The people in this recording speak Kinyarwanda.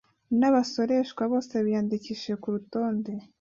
n’abasoreshwa bose biyandikishije ku rutonde